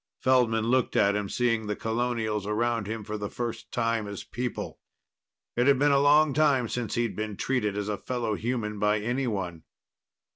Feldman looked at him, seeing the colonials around him for the first time as people. It had been a long time since he'd been treated as a fellow human by anyone.